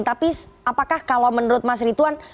tapi apakah kalau menurut mas rituan